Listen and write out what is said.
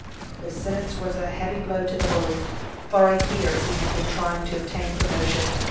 The sentence was a heavy blow to the bully. For a year he had been trying to obtain promotion.